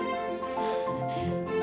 aku juga mau